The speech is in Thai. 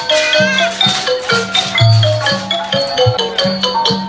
สวัสดีทุกคน